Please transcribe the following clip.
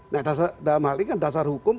nah dalam hal ini kan dasar hukum